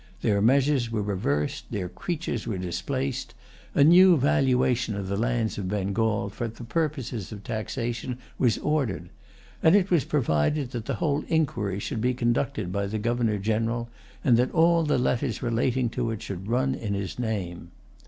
Their measures were reversed, their creatures were displaced. A new valuation of the lands of Bengal, for the purposes of taxation, was ordered; and it was provided that the whole inquiry should be conducted by the Governor General, and that all the letters relating to it should run in his name.